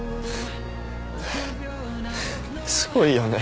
すごいよね。